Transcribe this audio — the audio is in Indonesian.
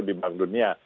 di bank dunia